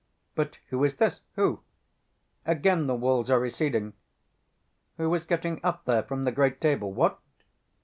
But who is this? Who? Again the walls are receding.... Who is getting up there from the great table? What!...